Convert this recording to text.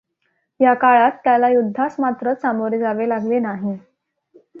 या काळात त्याला युद्धास मात्र सामोरे जावे लागले नाही.